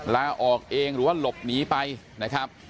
ลาออกเองหรือว่าหลบหนีไปนะครับ